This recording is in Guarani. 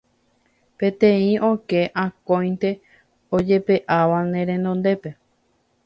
Peteĩ okẽ akóinte ojepe'áva ne renondépe